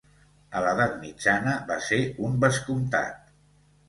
A l'edat mitjana va ser un vescomtat.